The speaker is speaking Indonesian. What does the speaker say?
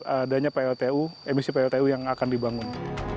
adanya pltu emisi pltu yang akan dibangun